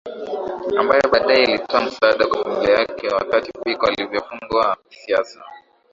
Ambaye baadae ilitoa msaada kwa familia yake wakati Biko alivyofungwa kisiasa